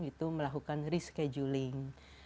itu melakukan rescheduling